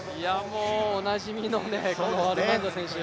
おなじみのアルマンザ選手。